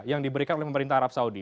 yang diberikan oleh pemerintah arab saudi